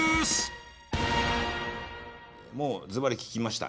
もうずばり聞きました。